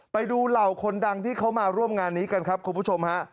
เหล่าคนดังที่เขามาร่วมงานนี้กันครับคุณผู้ชมฮะ